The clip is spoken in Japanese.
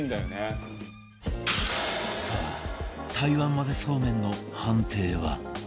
さあ台湾まぜそうめんの判定は？